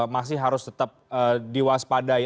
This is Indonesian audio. masih harus tetap diwaspadai